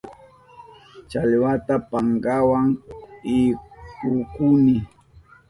Challwata pankawa ipukuni.